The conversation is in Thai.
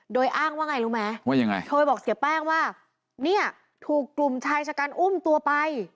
โดยอ้างว่าไงรู้ไหมว่ายังไงโทรไปบอกเสียแป้งว่าเนี่ยถูกกลุ่มชายชะกันอุ้มตัวไป